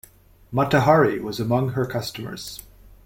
Mata Hari was among her customers.